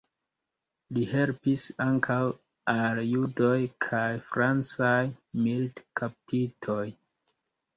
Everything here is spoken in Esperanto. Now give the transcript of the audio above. Li helpis ankaŭ al judoj kaj francaj militkaptitoj.